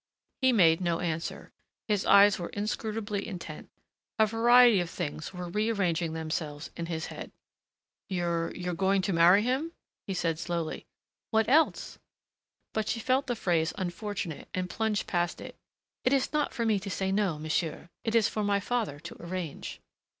He made no answer. His eyes were inscrutably intent. A variety of things were rearranging themselves in his head. "You're you're going to marry him?" he said slowly. "What else?" But she felt the phrase unfortunate and plunged past it. "It is not for me to say no, monsieur. It is for my father to arrange."